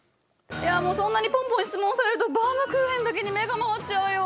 いやもうそんなにポンポン質問されるとバウムクーヘンだけに目が回っちゃうよ。